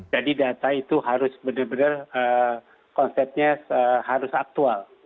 jadi data itu harus benar benar konsepnya harus aktual